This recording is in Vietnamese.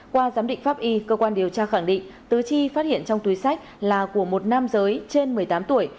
qua giám định pháp y cơ quan điều tra khẳng định tứ chi phát hiện trong túi sách là của một nam giới trên một mươi tám tuổi